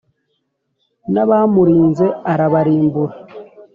n'abamurinze arabarimbura.